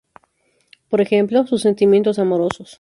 Por ejemplo, sus sentimientos amorosos.